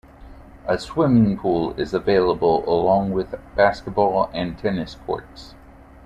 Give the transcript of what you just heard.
A swimming pool is available along with basketball and tennis courts.